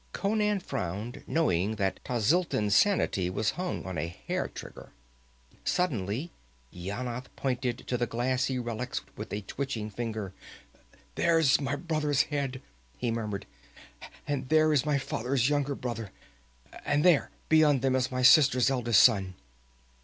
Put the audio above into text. Conan frowned, knowing that Tlazitlan sanity was hung on a hair trigger. Suddenly Yanath pointed to the ghastly relics with a twitching finger. "There is my brother's head!" he murmured. "And there is my father's younger brother! And there beyond them is my sister's eldest son!"